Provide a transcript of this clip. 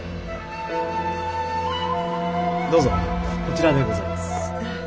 どうぞこちらでございます。